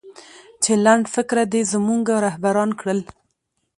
چې لنډفکره دې زموږه رهبران کړل